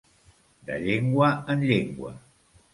De llengua en llengua.